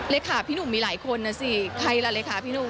พี่หนุ่มมีหลายคนนะสิใครล่ะเลขาพี่หนุ่ม